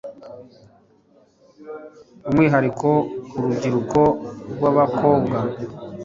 umwihariko urubyiruko rw'abakobwa